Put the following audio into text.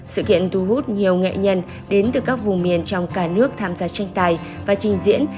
sự kiện thu hút nhiều nghệ nhân đến từ các vùng miền trong cả nước tham gia tranh tài và trình diễn